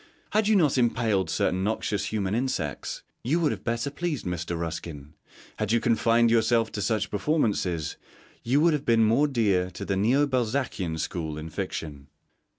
Had you not impaled certain noxious human insects, you would have better pleased Mr. Ruskin; had you confined yourself to such performances, you would have been more dear to the Neo Balzacian school in fiction.